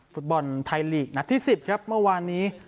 ฟุตบอลไทยลีกนัดที่๑๐ครับเมื่อวานนี้